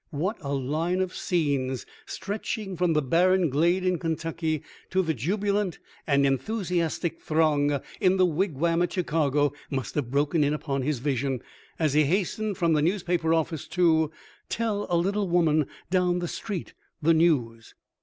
What a line of scenes, stretching from the barren glade in Kentucky to the jubilant and en thusiastic throng in the Wigwam at Chicago, must have broken in upon his vision as he hastened from the newspaper office to " tell a little woman down the street the news